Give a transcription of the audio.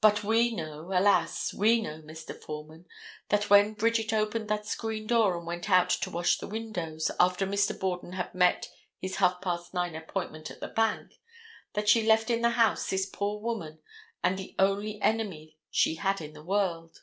But we know, alas, we know, Mr. Foreman, that when Bridget opened that screen door and went out to wash the windows, after Mr. Borden had met his half past nine appointment at the bank, that she left in the house this poor woman and the only enemy she had in the world.